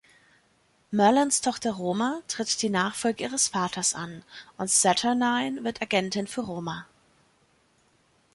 Merlyns Tochter Roma tritt die Nachfolge ihres Vaters an, und Saturnyne wird Agentin für Roma.